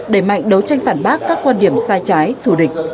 đẩy mạnh đấu tranh phản bác các quan điểm sai trái thù địch